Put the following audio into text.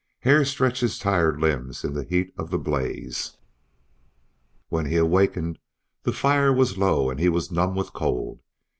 Hare stretched his tired limbs in the heat of the blaze. When he awakened the fire was low and he was numb with cold.